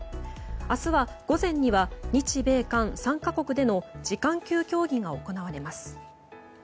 明日は午前には日米韓３か国での次官級協議が行われます。